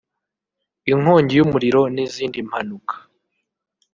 inkongi y’umuriro n’izindi mpanuka